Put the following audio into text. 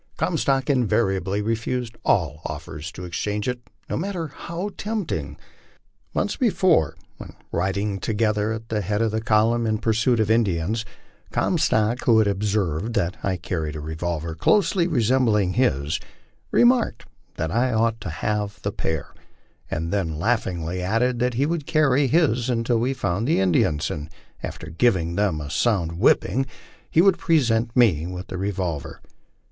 Comstock invariably refused all offers to exchange it, no mat ter how tempting. Months before, when riding together at the head of the column, in pursuit of Indians, Comstock, who had observed that I carried a revolver closely resembling his, remarked that I ought to have the pair, and then laughingly added that he would carry his until we found the Indians, and after giving them a sound whipping he would present me the revolver.